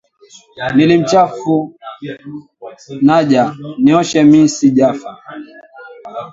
Nili mchafu naja, Nioshe mi sijafa.